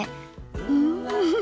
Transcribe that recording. うん！